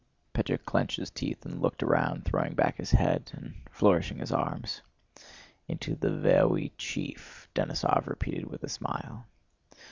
Pétya clenched his teeth and looked around, throwing back his head and flourishing his arms. "Into the vewy chief..." Denísov repeated with a smile.